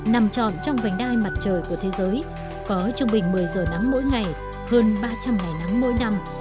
nằm trọn trong vành đai mặt trời của thế giới có trung bình một mươi giờ nắng mỗi ngày hơn ba trăm linh ngày nắng mỗi năm